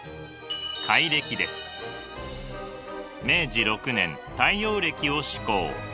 明治６年太陽暦を施行。